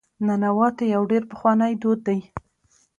ننواتې یو ډېر پخوانی دود دی.